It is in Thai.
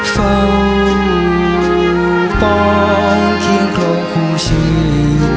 เฝ้าป้องเคียงโครงคู่ชิน